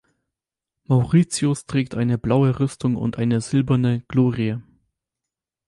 Mauritius trägt eine blaue Rüstung und eine silberne Glorie.